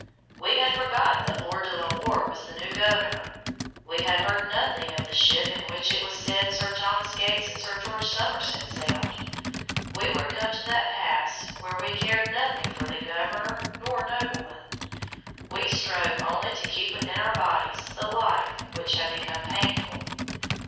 We had forgotten that Lord De la Warr was the new governor; we had heard nothing of the ship in which it was said Sir Thomas Gates and Sir George Somers had sailed. We were come to that pass where we cared neither for governor nor nobleman. We strove only to keep within our bodies the life which had become painful.